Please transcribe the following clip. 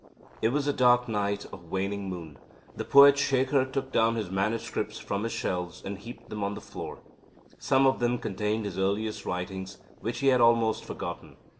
It was a dark night of waning moon. The poet Shekhar took down his MSS. from his shelves and heaped them on the floor. Some of them contained his earliest writings, which he had almost forgotten.